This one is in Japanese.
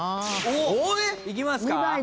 おっいきますか？